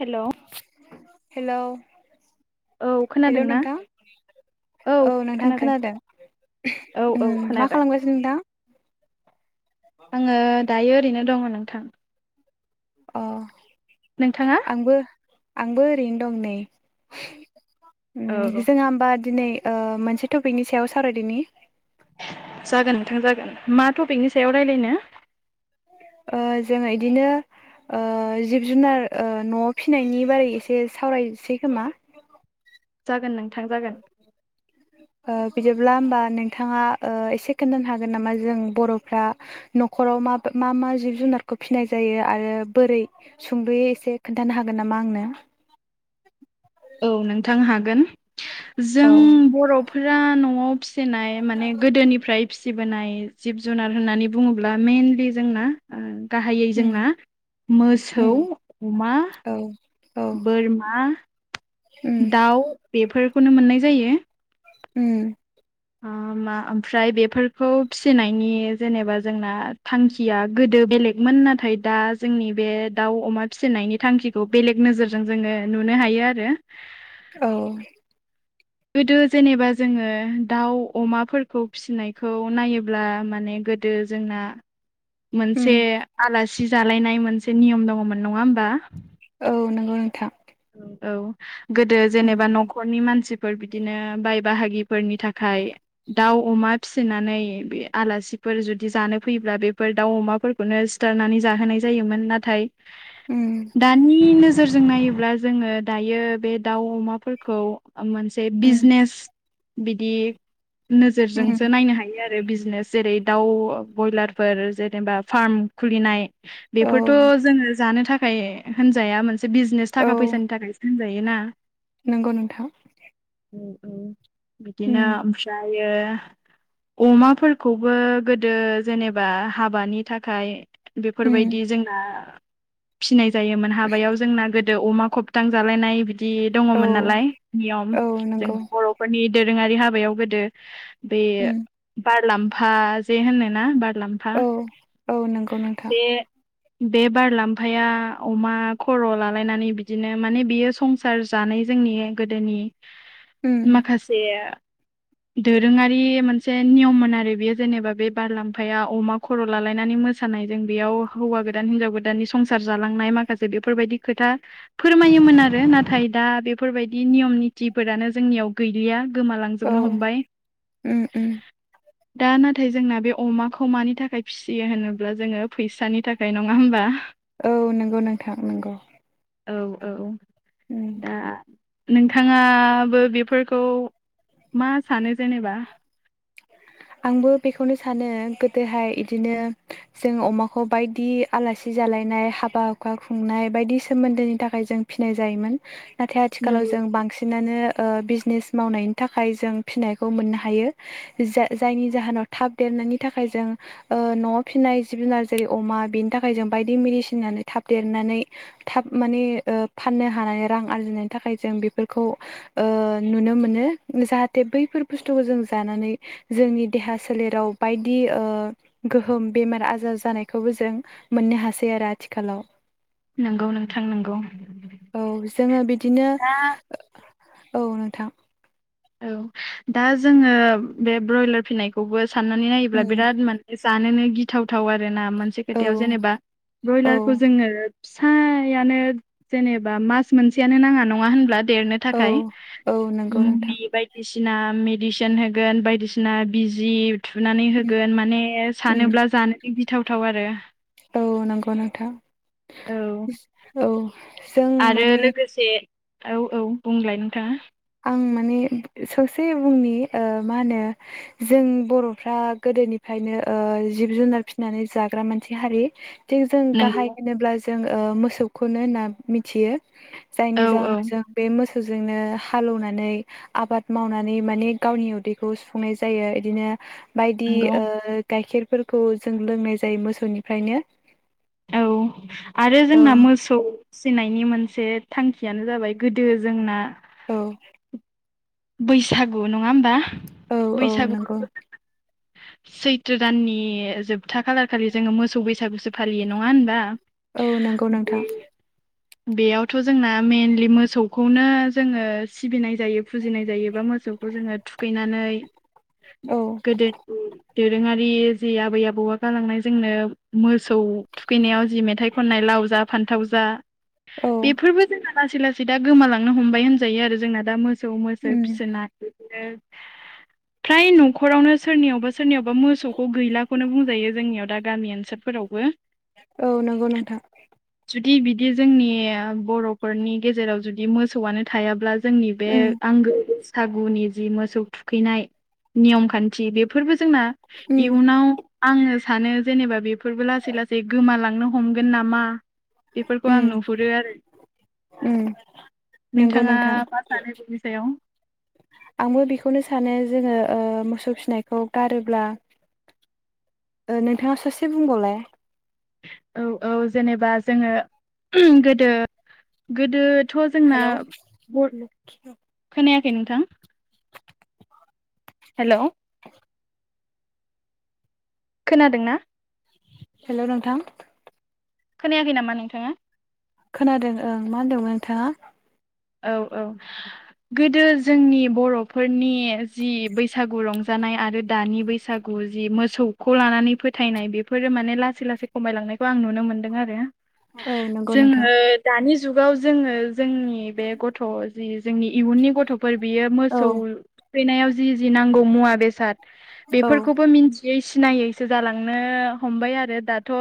Hello hello. औ खोनादोंना? औ खोनादों औ औ उम मा खोनादों। खालामगासिनो नोंथां आङो दायो ओरैनो दङ नोंथां। अ नोंथाङा आंबो आंबो ओरैनो दं नै। उम औ जोंहा होमबा दिनै ओ मोनसे टपिकनि सायाव सावरायदोनि। जागोन नोंथां जागोन मा टपिकनि सायाव रायलायनो? ओ जोङो इदिनो ओ जिब जुनार ओ न'आव फिनायनि बारै एसे सावरायसै खोमा। जागोन नोंथां जागोन। ओ बिदिब्ला होमबा नोंथाङा ओ एसे खोन्थानो हागोन नामा जों बर'फ्रा न'ख खराव मा बो मा मा जिब जुनारखौ फिनाय जायो आरो बोरै सुंद'यै एसे खोन्थानो हागोन नामा आंनो? औ नोंथां हागोन औ जों बर'फोरा न'आव फि फिनाय माने गोदोनिफ्राय फिसिबोनाय जिब जुनार होननानै बुङोब्ला मेनलि जोंना ओ गाहायै उम जोंना उम मोसौ अ'मा औ औ बोरमा उम दाउ बेफोरखौनो मोननाय जायो। उम। ओ मा आमफ्राय बेफोरखौ फिसिनायनि जेनेबा जोंना थांखिया गोदो ओ बेलेगमोन नाथाय दा जोंनि बे दाउ अ'मा फिसिनायनि थांखिखौ बेलेग नोजोरजों जोङो नु नुनो हायो आरो औ। गोदो जेनेबा जोङो दाउ अ'माफोरखौ फिसिनायखौ नायोब्ला माने गोदो जोंना उम मोनसे आलासि जालायनाय मोनसे नियम दङमोन। नङा होमबा? औ नोंगौ नोंथां। औ औ गोदो उम जेनेबा न'खरनि मानसिफोर बिदिनो बाय बाहागिफोरनि थाखाय दाउ अ'मा फिसिनानै बे आलासिफोर जुदि जानो फै ब्ला बेफोर दाउ अमाफोरखौनो सिथारनानै जाहोनाय जायोमोन नाथाय उम दानि नोजोरजों नायोब्ला जोङो दायो बे दाउ अ'माफोरखौ ओ मोनसे उम बिजनेस बिदि उम नोजोरजोंसो नायनो हायो आ रो बिजनेस जेरै दाउ बयलारफोर जेनेबा फार्म खुलिनाय औ बेफोरथ' जोङो जानो थाखाय होनजाया मोनसे बिजनेस थाखा फै [unintelligible] होनजायोना। नोंगौ नोंथां। औ औ उम बिदिनो आमफ्रायो ओ अ'माफोरखौबो गोदो जेनेबा हाबानि थाखाय उम बेफोरबायदि जोंना फिनाय जायोमोन हाबायाव जोंना गोदो अमाखौ फुथां जालायनाय बिदि औ दंङमोन नालाय नियम औ जों नंगौ बर'फोरनि दोरोङारि हाबायाव गोदो बे उम बारलांफा जे होनोना बार मुलामफा औ औ नंगौ नोंथां बे बे बारलांफाया अमा खर' लालायनानै बि दिनो माने बियो संसार जानाय जोंनि गोदोनि उम माखासे [inaudible] दोरोंङारि मोनसे नियममोन आरो बेयो जेनेबा बे बारलामांफाया अमा खर' लालायनानै मोसा नायजों बेयाव हौवा गोदान हिनजाव गोदाननि संसार जालांनाय माखासे बेफोरबायदि खोथा फोरमायोमोन आरो नाथाय दा बेफोरबायदि नियम नितिफोरानो जोंनियाव गैलिया औ गोमालांजोबनो हमबाय। उम उम दा नाथाय जोंना बे अमाखौ मानि थाखाय फिसियो होनोब्ला जोङो फैसानि थाखाय नङा होमबा। औ नंगौ नोंथां नंगौ । औ औ दा नोंथाङाबो बेफोरखौ मा सानो जेनेबा? [inaudible] आंबो बेखौनो सानो गोदोहाय बिदिनो जों अमाखौ बायदि आलासि जाला नाय हाबा हुखा खुंनाय बायदि सोमोन्दोनि थाखाय जों फिसिनाय जायोमोन । नाथाय आथिखालाव नोंगौ जों बांसिनानो ओ बिजनेस मावनायनि थाखाय जों फिनायखौ मोननो हायो । जा-जायनि जाहोनाव थाब देरनायनि थाखाय जों ओ न'आव फिननाय जिब जुनार जेरै अमा बे थाखाय जों बायदि मेडिसिन होनानै थाब देरनानै थाब माने ओ फाननो हानानै रां आरजिनायनि थाखाय जों बेफोरखौ ओ नुनो मोनो जाहाथे बैफोर बुस्थुखौ जों जानानै जोंनि देहा सोलेराव बायदि ओ गोहोम बेमार आजार जानायखौबो जों मोननो हासै आरो आथिखालाव नोंगौ नोंथां नोंगौ । औ जोङो बिदिनो दा औ नोंथां औ दा जोङो बे ब्रयलार फिसिनायखौबो साननानै नायोब्ला उम बिराद मानसिनि जानोनो गिथावथाव आरोना मोनसे औ खोथायाव जेनेबा औ ब्रयलारखौ जोङो फिसायानो जेनेबा मास मोनसेयानो नाङा नङा होनब्ला देरनो औ थाखाय औ नंगौ नोंथां मुलि बायदिसिना मेडिसिन होगोन बायदिसिना बिजि थुनानै उम होगोन माने उम सानोब्ला जानो गिथावथाव आरो औ नंगौ नोंथां औ [unintelligible] औ । आरो लोगोसे औ औ बुंलाय नोंथाङा आं माने ससे बुंनि ओ मा होनो जों बर'फ्रा गोदोनिफा फायनो ओ जिब जुनार फिसिनानै जाग्रा मानसे हारि । थिं जों गाहाय नंगौ होनोब्ला जों ओ मोसौखौनो होनना मिथियो । औ जायनि औ जाहोनाव जों बे मोसौ जोंनो हालौनानै आबाद मावनानै माने गावनि उदैखौ सुफुंनाय जायो इदिनो बायदि नंगौ ओ गाइखेरफोरखौ जों लोंनाय जायो मोसौनिफ्रायनो । औ आरो जोंना मोसौ फिसिनायनि मोनसे थांखियानो जाबाय गोदो जोंना औ बैसागु नङा होमबा औ औ बैसागु नंगौ । सैथ्रो दाननि जोबथा खालारखालि जोङो मोसौ बैसागुसो फालियो नङा होनबा । औ नंगौ नोंथां । बेयावथ' जोंना मेनलि मोसौखौनो जोङो सिबिनाय जायो । फुजिनाय जायोबा मोसौखौ जोङो थुखैनानै औ गोदो दोरोङारि जि आबै आबौआ गालांनाय जोंनो मोसौ थुखैनायाव जि मेथाइ खननाय लाव जा फान्थाव जा औ बेफोरबो जोंना लासै लासै दा गोमालांनो हमबाय होनजायो आरो जोंना दा मोसौ मोसो उम फिसोना [unintelligible] फ्राय न'खरावनो सोरनियावबा सोरनियावबा मोसौखौ गैलाखौनो बुंजायो जोंनियाव दा गामि ओनसोलफोरावबो औ नंगौ नोंथां दि बिदि जोंनि बर'फोरनि गेजेराव जुदि मोसौआनो थायाब्ला जोंनि बे उम आंगो बैसागुनि जि मोसौ थुखैनाय नियम खान्थि बेफोरबो जोंना उम इउनाव आङो सानो जेनेबा बेफोरबो लासै लासै गोमालां नो हमगोन नामा बेफोरखौ आं नुहुरो आरो। ओम नोंगौ नोंथाङा नोंथां मा सानो बेनि सायाव आंबो बेखौनो सानो जोङो ओ मोसौ फिसिनायखौ गारोब्ला ओ नोंथाङा ससे बुंबावलाय औ औ जेनेबा जोङो गोदो गोदो थ' जोंना बर खोनायाखै नोंथां हेल' खोनादोंना? हेल' नोंथां खोनायाखै नामा नोंथाङा? खोनादों ओं मा होनदोंमोन नोंथाङा औ औ गोदो जोंनि बर'फोरनि जि बैसागु रंजानाय आरो दानि बैसागु जि मोसौखौ लानानै फोथायनाय बेफोरो माने लासै लासै खमायलांनायखौ आं नुनो मोनदों आरो औ नंगौ नोंथां जोङो दानि जुगाव जोङो जोंनि बे गथ' जि जोंनि इयुननि गथ'फोर बियो औ मोसौ थुखैनायाव जि जि नांगौ मुवा बेसाद औ बेफोरखौबो मिन्थियै सिनायैसो जालांनो हमबाय आरो दाथ'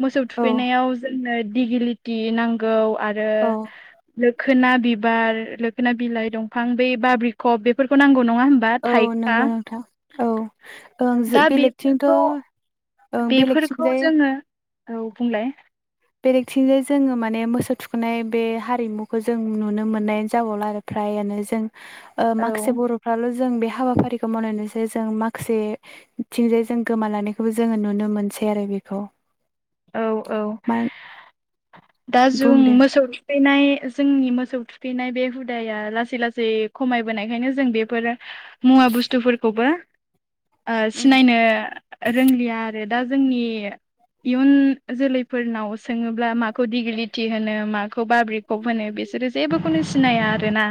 मोसौ औ थुखैनायाव जोंनो दिगिलिटि नांगौ आरो औ लोख खोना बिबार, लोखोना बिलाइ दंफां, बै बा बिखब बेफोरखौ नां गौ नङा होनबा औ थाइखा नंगौ नोंथां औ ओं जो दा बेलेगथिंथ' बेफोरखौ ओं बेफोरखौ बेलेगथिंजाय जोङो औ बुंलाय बेलेकथिंजाय जोङो माने मोसौ थुखैनाय बे हारिमुखौ जों नुनो मोननाय जाबावला आरो फ्रायानो जों ओ औ माखासे बर'फ्राल' जों बे हाबाफारिखौ मावनानैसो जों माखासेथिंजाय जों गोमालांनायखौबो जोङो नुनो मोन सै आरो बेखौ। औ औ मा दा बुं जुं दे मोसौ थुखैनाय जोंनि मोसौ थुखैनाय बे हुदाया लासै लासै खमायबोनायखायनो जों बेफोरो मुवा बुस्थुफोरखौबो आ उम सिनायनो रोंलिया आरो दा जोंनि इयुन जोलैफोरनाव सोङोब्ला मा खौ दिगिलिटि होनो, माखौ बाब्रिकप होनो बिसोरो जेबोखौनो सिनाया आरोना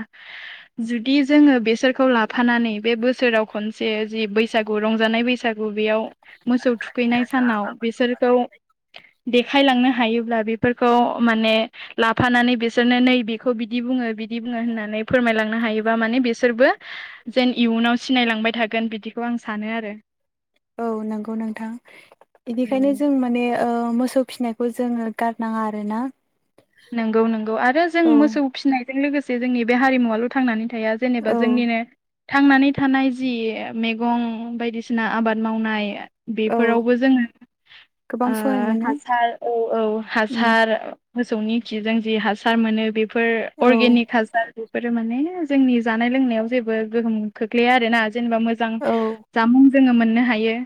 जुदि जोङो बेसोरखौ लाफानानै बे बोसोराव खनसे जि बैसागु रंजानाय बैसागु बेयाव मोसौ थुखैनाय सानाव बिसोरखौ देखालांनो हायोब्ला बे फोरखौ माने लाफानानै बिसोरनो नै बेखौ बिदि बुङो बिदि बुङो होननानै फोरमायलांनो हायोबा माने बिसोरबो जेन इयुनाव सिनायलांबाय थागोन बिदिखौ आं सानो आरो। औ नंगौ नोंथां बिदिखायनो जों माने ओ मोसौ फिसिनायखौ जोङो गारनाङा आरोना नंगौ नंगौ आरो जों औ मोसौ फिसिनायजों लोगोसे जोंनि बे हारिमुवाल' थांनानै थाया जेनेबा औ जोंनिनो थांनानै थानाय जि मैगं बायदिसिना आबाद मावनाय औ बेफोरावबो जोङो गोबां ओ सहाय मोनो हासार औ औ उम हासार मोसौनि खिजों जि हासार मोनो बेफोर औ अर्गेनिक हासार बेफोरो माने जोंनि जानाय लोंनायाव जेबो गोहोम खोख्लैया आरोना जेनेबा मोजां औ जामुं जोङो मोननो हायो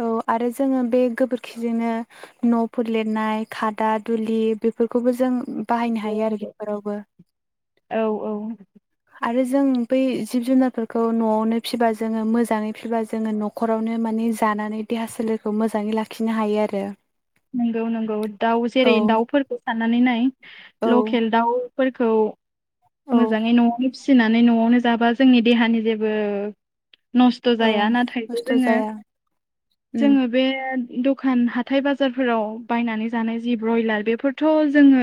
औ आरो जोङो बे गोबोरखिजोंनो नफोर लिरनाय खादा दुलि बेफोरखौबो जों बाहायनो हायो आरो औ बेफोरावबो औ आरो जों बै जिब जुनारफोरखौ नआवनो फिबा जोङो मोजाङै फिबा जोङो नखरावनो मानि जानानै देहा सोलेरखौ मोजाङै लाखिनो हायो आरो नंगौ नंगौ दाउ जेरै औ दाउफोरखौ साननानै नाय औ लकेल दाउ फोरखौ औ मोजाङै न आवनो फि फिसिनानै नआवनो जाबा जोंनि देहानि जेबो नस्थ औ जाया नाथायबो खस्थ' जोङो जाया उम जोङो बे दखान हाथाय बाजा जारफोराव बायनानै जानाय जि ब्रयलार बेफोरथ जोङो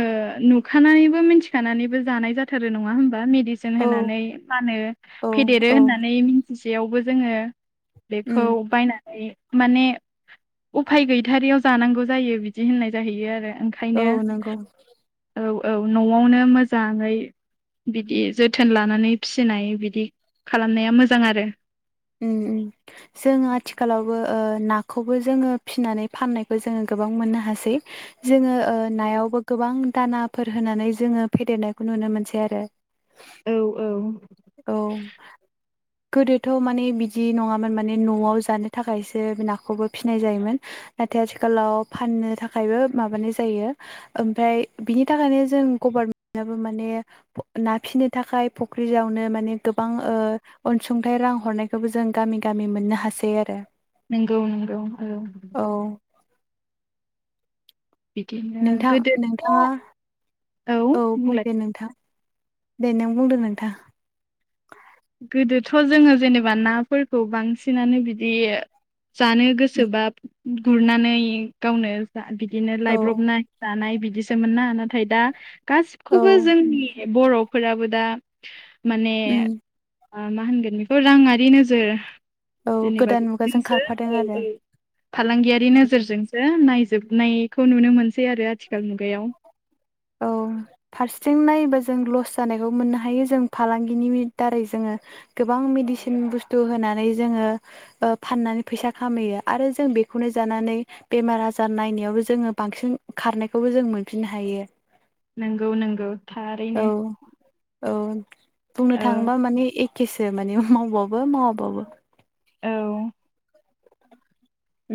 नुखानानैबो मिथिखानानैबो जानाय जाथारो नङा होमबा दिसन औ होनानै फानो औ फेदेरो औ होननानै मिथिसेयावबो जोङो बेखौ उम बायनानै माने उफाय गैथारियाव जानांगौ जायो बिदि होननाय जाहैयो आरो औ ओंखायनो नोंगौ औ औ नआवनो मोजाङै बिदि जोथोन लानानै फिसिनाय बिदि खालामनाया मोजां आरो ओम ओम जोङो आथिखालावबो ओ ना खौबो जोङो फिनानै फाननायखौ जोङो गोबां मोननो हासै जोङो ओ नायावबो गोबां दानाफोर होनानै जोङो फेदेरनायखौ नुनो मोनसै आरो औ औ औ गोदोथ माने बिदि नङामोन माने नआव जानो थाखायसो नाखौबो फिनाय जायोमोन नाथाय आथिखालाव फाननो थाखायबो माबानाय जायो ओमफ्राय बिनि थाखायनो जों गभर्मेन्टाबो माने ना फिनो थाखाय फुख्रि जावनो माने गोबां ओ अनसुंथाय रां हरनायखौबो जों गामि गामि मोननो हासै आरो नंगौ नंगौ औ औ बिदिनो नोंथां गोदोथ' नोंथाङा औ बुंदे नोंथां दे नों बुंदो नोंथां गोदोथ' जोङो जेनेबा नाफोरखौ बांसिनानो बिदि जानो गोसोबा गुरनानै गावनो बिदिनो औ लायब्रबनाय जानाय बिदिसोमोना नाथाय दा गासिबखौबो औ जोंनि बर'फोराबो दा माने उम ओ मा होनगोन बेखौ राङारि नोजोर औ जेनेबा गोदान मुगाजों बिजोंसो खारफादों औ आरो औ फालांगियारि नोजोरजोंसो नाय जोबनायखौ नुनो मोनसै आरो आथिखाल मुगायाव औ फारसेथिं नायोबा जों लस जानायखौबो मोननो हायो जों फालांगिनि दारै गोबां मेदिसिन बुस्थु होना नानै जोङो ओ फान्नानै फैसा खामायो आरो जों बेखौनो जानानै बेमार आजार नाय नायावबो जोङो बांसिन खारनायखौबो जों मोनफिननो हायो नंगौ नंगौ औ थारैनो औ बुंनो औ थाङोबा माने एखेसो माने मावबाबो मावाबाबो औ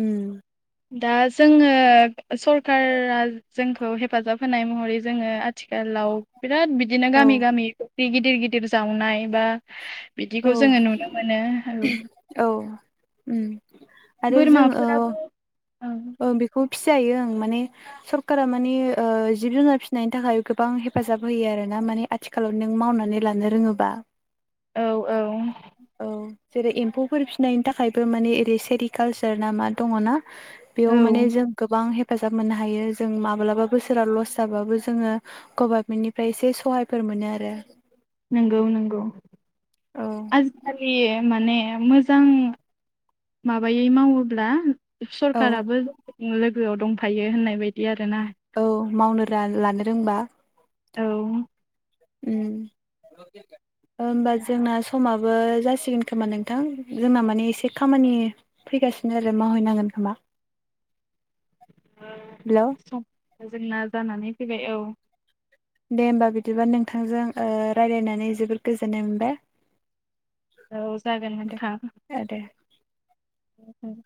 ओम दा जोङो सरकारा जोंखौ हेफाजाब होनाय महरै जोङो आथिखालाव बिराद बिदिनो औ गामि गामि फख्रि गिदिर गिदिर जावनाय बा बिदिखौ औ जोङो नुनो मोनो। औ औ उम बोरमाफोराबो औ ओं बेखौ फिजायो ओं माने सरकारा माने ओ जिब जुनार फिनायनि थाखाय गोबां हेफ फाजाब होयो आरो ना माने आथिखालाव नों मावनानै लानो रोङोबा औ औ औ जेरै एम्फौफोर फिनायनि थाखायबो माने ओरै सेरिकालसार ना मा दङ ना औ बेयाव माने जों गोबां हे फाजाब मोननो हायो जों माब्लाबा बोसोरा लस जाबाबो जोङो गभार्नमेन्टनिफ्राय एसे सहायफोर मोनो आरो नंगौ नंगौ औ आजिखालि लि माने मोजां माबायै मावोब्ला औ सरखाराबो लोगोआव दंफायो होननाय बायदि आरोना औ मावनो रा लानो रोंबा औ उम होमबा जोंना समाबो जासिगोन खोमा नोंथां जोंना माने एसे खामानि फै गासिनो आरो मावहैनांगोन खोमा। हेलौ समा जोंना जानानै फैबाय औ दे होमबा बिदिबा नोंथांजों ओ रायलायनानै जोबोद गोजोननाय मोनबाय औ जागोन दे नोंथां ओ दे उम